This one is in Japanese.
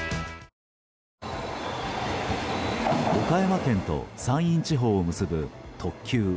岡山県と山陰地方を結ぶ特急